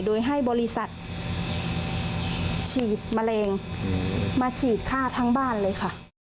โดยให้บริษัทฉีดแมลงมาฉีดค่าทั้งบ้านเลยค่ะ